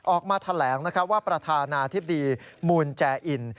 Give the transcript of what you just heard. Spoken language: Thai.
ออกมาแถลงว่าประธานาธิบดีมูลแจอิน